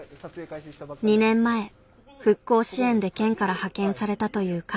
２年前復興支援で県から派遣されたという彼。